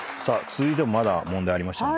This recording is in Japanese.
続いてもまだ問題ありましたね。